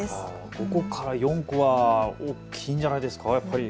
５個から４個は大きいんじゃないですか、やっぱり。